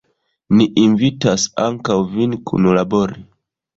Ni invitas ankaŭ vin kunlabori!